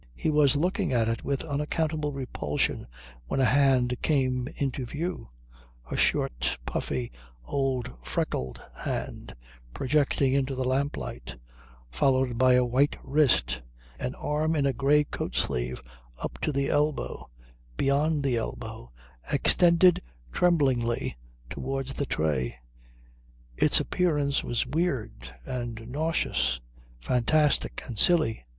He was looking at it with unaccountable repulsion when a hand came into view; a short, puffy, old, freckled hand projecting into the lamplight, followed by a white wrist, an arm in a grey coat sleeve, up to the elbow, beyond the elbow, extended tremblingly towards the tray. Its appearance was weird and nauseous, fantastic and silly.